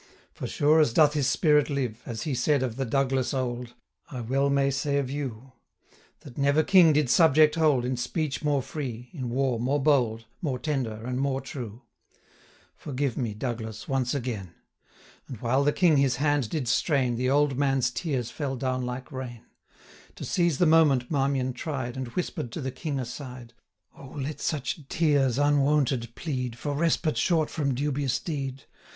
455 For sure as doth his spirit live, As he said of the Douglas old, I well may say of you, That never King did subject hold, In speech more free, in war more bold, 460 More tender and more true: Forgive me, Douglas, once again.' And, while the King his hand did strain, The old man's tears fell down like rain. To seize the moment Marmion tried, 465 And whisper'd to the King aside: 'Oh! let such tears unwonted plead For respite short from dubious deed!